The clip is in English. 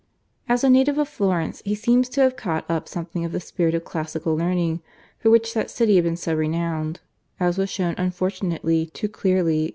As a native of Florence he seems to have caught up something of the spirit of classical learning for which that city had been so renowned, as was shown unfortunately too clearly in the Breviary that he published in 1632.